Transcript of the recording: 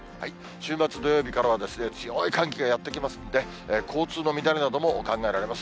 週末、土曜日からは強い寒気がやって来ますので、交通の乱れなども考えられます。